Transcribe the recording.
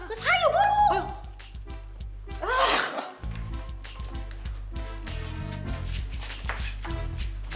ke sayur buruk